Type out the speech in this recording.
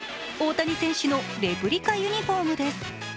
人気はやっぱり、大谷選手のレプリカユニフォームです。